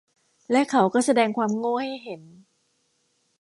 และเขาก็แสดงความโง่ให้เห็น